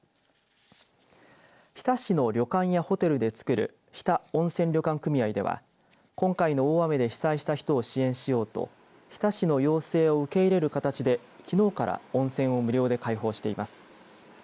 日田市の旅館やホテルでつくる日田温泉旅館組合では今回の大雨で被災した人を支援しようと日田市の要請を受け入れる形できのうから温泉を無料で開放しています。